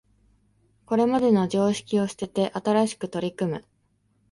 これまでの常識を捨てて新しく取り組む